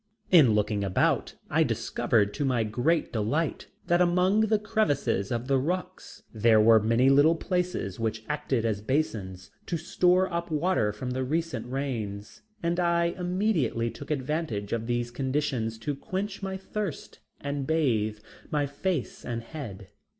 In looking about, I discovered to my great delight that among the crevices of the rocks there were many little places which acted as basins to store up water from the recent rains, and I immediately took advantage of these conditions to quench my thirst and bathe my face and head.